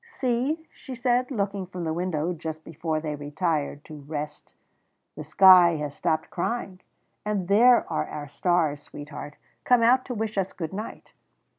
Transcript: "See," she said, looking from the window just before they retired to rest, "the sky has stopped crying, and there are our stars, sweetheart, come out to wish us good night.